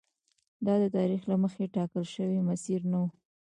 دا د تاریخ له مخکې ټاکل شوی مسیر نه و.